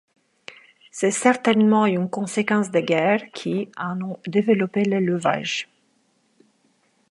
C'est certainement une conséquence des guerres, qui en ont développé l'élevage.